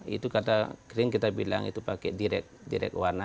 itu kata krim kita bilang itu pakai direct warna